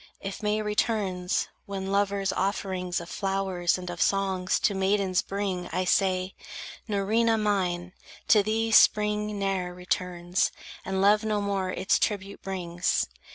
If May returns, when lovers offerings Of flowers and of songs to maidens bring, I say: "Nerina mine, to thee spring ne'er Returns, and love no more its tribute brings."